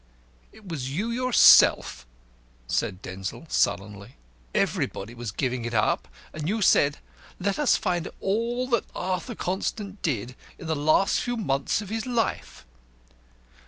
"It was you yourself," said Denzil, sullenly. "Everybody was giving it up. But you said 'Let us find out all that Arthur Constant did in the last few months of his life.'